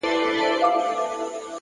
صبر د بریا د پخېدو موسم دی!